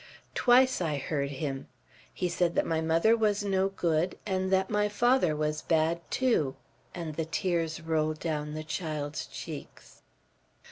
"Twice I heard him. He said that my mother was no good, and that my father was bad too." And the tears rolled down the child's cheeks.